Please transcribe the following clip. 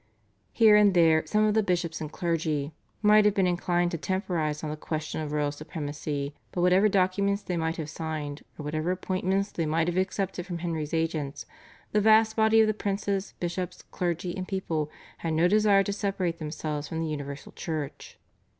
Here and there some of the bishops and clergy might have been inclined to temporise on the question of royal supremacy, but whatever documents they might have signed, or whatever appointments they might have accepted from Henry's agents, the vast body of the princes, bishops, clergy, and people had no desire to separate themselves from the universal Church.